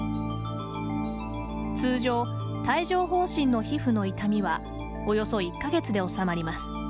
通常、帯状ほう疹の皮膚の痛みはおよそ１か月で治まります。